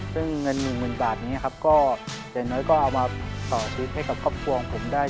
ซึ่งเงินหนึ่งหมื่นบาทนี้ครับก็อย่างน้อยก็เอามาต่อชีวิตให้กับครอบครัวของผมได้